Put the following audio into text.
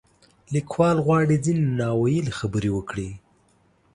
لیکوال غواړي ځینې نا ویلې خبرې وکړي.